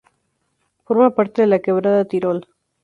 Forma parte de la quebrada Tirol.